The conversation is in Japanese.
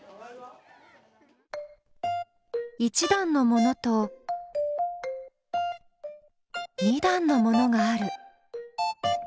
１段のものと２段のものがある。